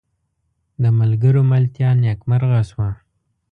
د ملګرو ملتیا نیکمرغه شوه.